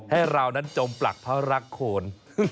ให้เรานั้นจมปลักพระรักโคน